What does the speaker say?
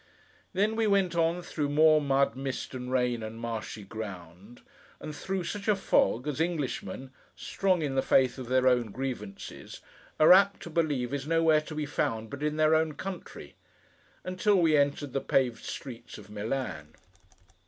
Then we went on, through more mud, mist, and rain, and marshy ground: and through such a fog, as Englishmen, strong in the faith of their own grievances, are apt to believe is nowhere to be found but in their own country, until we entered the paved streets of Milan.